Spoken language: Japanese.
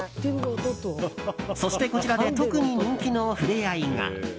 そして、こちらで特に人気の触れ合いが。